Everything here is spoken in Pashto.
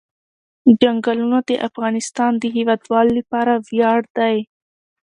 چنګلونه د افغانستان د هیوادوالو لپاره ویاړ دی.